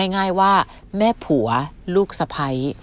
ง่ายว่าแม่ผัวลูกสะพ้าย